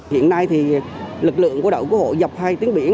hiện nay thì lực lượng của đậu quốc hộ dọc hai tiếng biển